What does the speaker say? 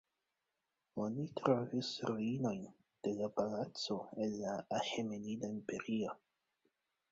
Oni trovis ruinojn de palaco el la Aĥemenida Imperio.